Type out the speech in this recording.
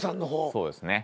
そうですね。